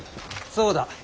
そうだ。